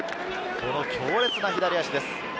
強烈な左足です。